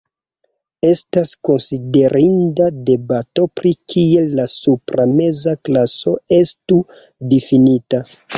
Estas konsiderinda debato pri kiel la supra meza klaso estu difinita.